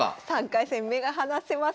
３回戦目が離せません。